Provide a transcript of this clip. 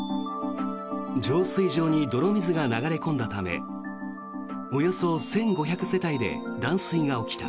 浄水場に泥水が流れ込んだためおよそ１５００世帯で断水が起きた。